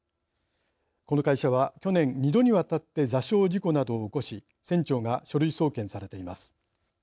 この会社は、去年２度にわたって座礁事故などを起こし船長が書類送検されています。